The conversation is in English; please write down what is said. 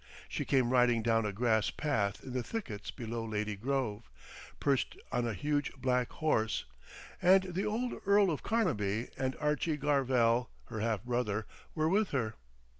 She came riding down a grass path in the thickets below Lady Grove, perched up on a huge black horse, and the old Earl of Carnaby and Archie Garvell, her half brother, were with her.